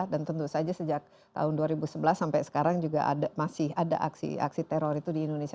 dan tentu saja sejak tahun dua ribu sebelas sampai sekarang juga masih ada aksi teror itu di indonesia